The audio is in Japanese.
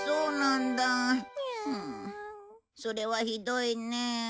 それはひどいねえ。